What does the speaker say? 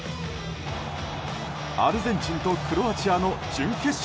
アルゼンチンとクロアチアの準決勝。